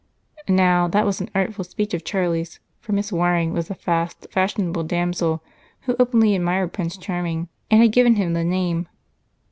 Now, that was an artful speech of Charlie's, for Miss Waring was a fast and fashionable damsel who openly admired Prince Charming and had given him the name.